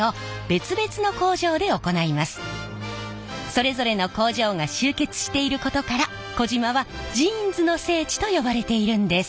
それぞれの工場が集結していることから児島は「ジーンズの聖地」と呼ばれているんです！